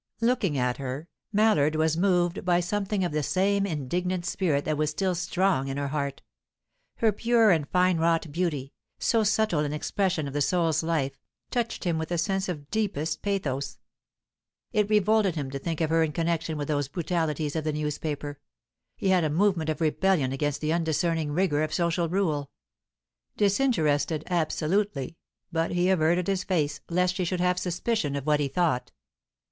Looking at her, Mallard was moved by something of the same indignant spirit that was still strong in her heart. Her pure and fine wrought beauty, so subtle in expression of the soul's life, touched him with a sense of deepest pathos. It revolted him to think of her in connection with those brutalities of the newspaper; he had a movement of rebellion against the undiscerning rigour of social rule. Disinterested absolutely, but he averted his face lest she should have a suspicion of what he thought.